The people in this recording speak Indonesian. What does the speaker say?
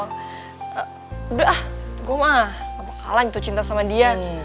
udah ah gue mah gak bakalan jatuh cinta sama dia